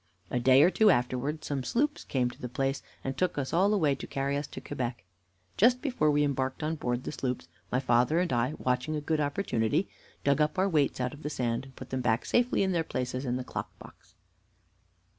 A day or two afterward some sloops came to the place, and took us all away to carry us to Quebec. Just before we embarked on board the sloops, my father and I, watching a good opportunity, dug up our weights out of the sand, and put them back safely in their places in the clock box."